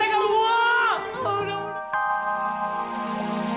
gue mau tegel semua ya